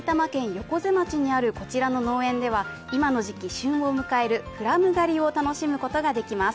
横瀬町にあるこちらの農園では、今の時期、旬を迎えるプラム狩りを楽しむことができます。